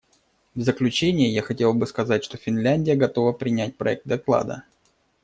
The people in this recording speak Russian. В заключение я хотела бы сказать, что Финляндия готова принять проект доклада.